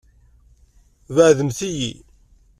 Beɛɛdemt-iyi.